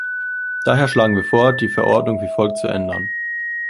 Daher schlagen wir vor, die Verordnung wie folgt zu ändern.